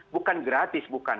bukan gratis bukan